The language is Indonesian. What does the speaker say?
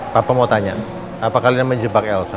papa mau tanya apakah kalian menjebak elsa